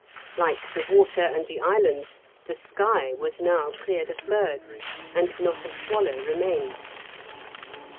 Like the water and the islands, the sky was now cleared of birds, and not a swallow remained.